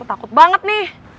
gua takut banget nih